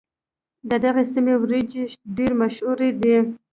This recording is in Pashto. د دغې سيمې وريجې ډېرې مشهورې دي.